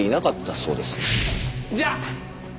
じゃあ！